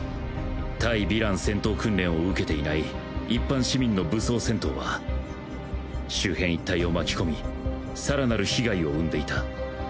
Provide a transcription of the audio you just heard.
対ヴィラン戦闘訓練を受けていない一般市民の武装戦闘は周辺一帯を巻き込み更なる被害を生んでいた。